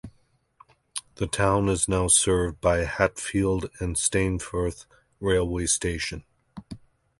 The town is now served by Hatfield and Stainforth railway station.